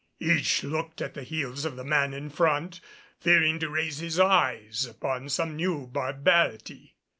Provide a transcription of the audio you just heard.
Each looked at the heels of the man in front, fearing to raise his eyes upon some new barbarity.